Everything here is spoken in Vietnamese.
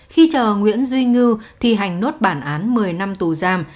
khi chờ nguyễn duy ngư thi hành nốt bản án một mươi năm tù giam